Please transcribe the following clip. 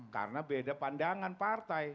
karena beda pandangan partai